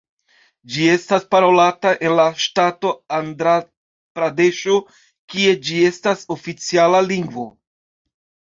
Ĝi estas parolata en la ŝtato Andra-Pradeŝo kie ĝi estas oficiala lingvo.